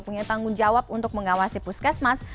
punya tanggung jawab untuk mengawasi puskesmas